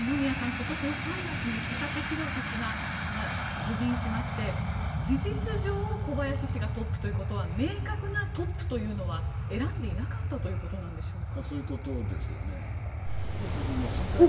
今年３月に佐々木宏氏が辞任しまして、事実上小林氏がトップということは明確なトップというのは選んでいなかったということでしょうか。